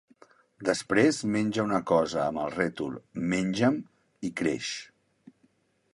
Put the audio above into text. Després menja una cosa amb el rètol "Menja'm" i creix.